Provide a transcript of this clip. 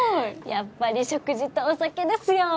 やっぱり食事とお酒ですよ。